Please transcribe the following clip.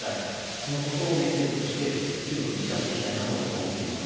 このことをメッセージとして強く打ち出したいと思っています。